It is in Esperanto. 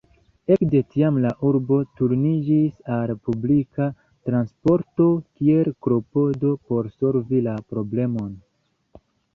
Ekde tiam la urbo turniĝis al publika transporto kiel klopodo por solvi la problemon.